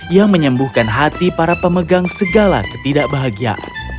yang menyembuhkan hati para pemegang segala ketidakbahagiaan